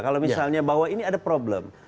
kalau misalnya bahwa ini ada problem